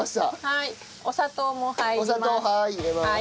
はいお砂糖も入ります。